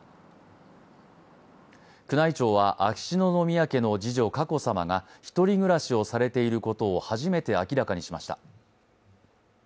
宮内庁は秋篠宮家の次女・佳子さまが１人暮らしをされていることを初めて明らかにしました。